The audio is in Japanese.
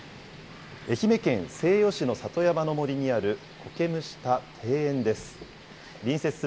愛媛県西予市の里山の森にある、こけむした庭園です。